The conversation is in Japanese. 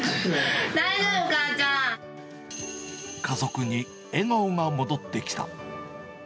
家族に笑顔が戻ってきた。